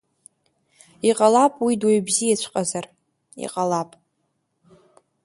Иҟалап, уи дуаҩ бзиаҵәҟьазар, иҟалап…